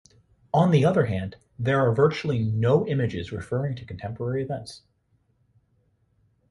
On the other hand, there are virtually no images referring to contemporary events.